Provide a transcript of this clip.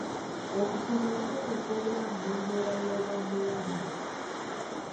Okusobola kukosa obulamu n'embeera y'obwongo y'abantu.